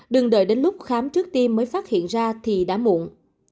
đừng đợi đến lúc khám trước tiên mới phát hiện ra thì đã muộn